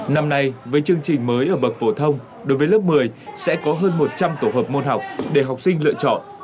năm nay với chương trình mới ở bậc phổ thông đối với lớp một mươi sẽ có hơn một trăm linh tổ hợp môn học để học sinh lựa chọn